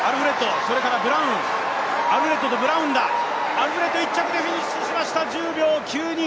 アルフレッド１着でフィニッシュしました、１０秒９２。